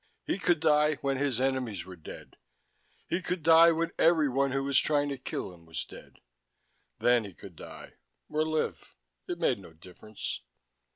He could die when his enemies were dead. He could die when everyone who was trying to kill him was dead. Then he could die, or live: it made no difference.